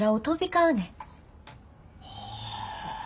はあ。